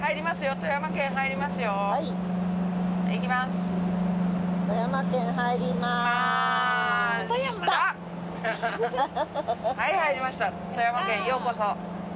富山県へようこそ。